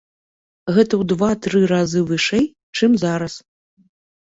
Гэта ў два-тры разы вышэй, чым зараз.